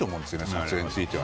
撮影については。